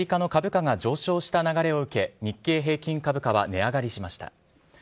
アメリカの株価が上昇した流れを受け日経平均株価は値上がりしました。